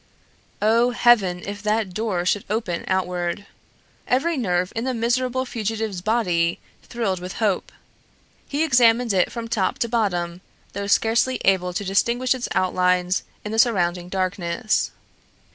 Oh, Heaven, if that door should open outward. Every nerve in the miserable fugitive's body thrilled with hope. He examined it from top to bottom, though scarcely able to distinguish its outlines in the surrounding darkness.